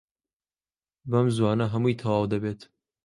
بەم زووانە هەمووی تەواو دەبێت.